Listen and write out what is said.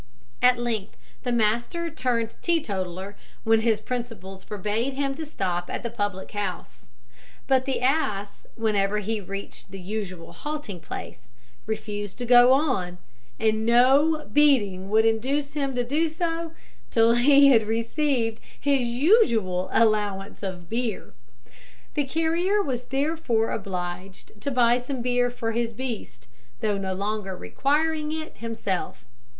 At length the master turned teetotaller, when his principles forbade him to stop at the public house; but the ass, whenever he reached the usual halting place, refused to go on, and no beating would induce him to do so till he had received his usual allowance of beer. The carrier was therefore obliged to buy some beer for his beast, though no longer requiring it himself.